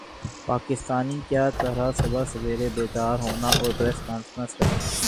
پاکستانی کَیا طرح صبح سویرے بیدار ہونا اور پریس کانفرنس کرنا